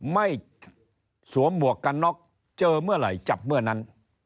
ไม่สวมหมวกกันน็อกเจอเมื่อไหร่จับเมื่อนั้น